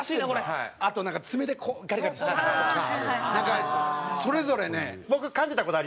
あと爪でガリガリした跡とかなんかそれぞれね。